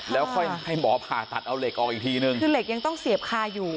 แล้วค่อยให้หมอผ่าตัดเอาเหล็กออกอีกทีนึงคือเหล็กยังต้องเสียบคาอยู่